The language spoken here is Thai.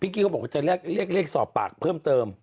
กี้เขาบอกว่าจะเรียกสอบปากเพิ่มเติม